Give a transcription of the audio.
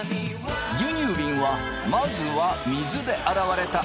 牛乳びんはまずは水で洗われた